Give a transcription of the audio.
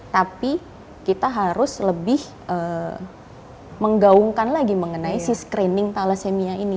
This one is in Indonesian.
tapi kita harus lebih menggaungkan lagi mengenai si screening thalassemia ini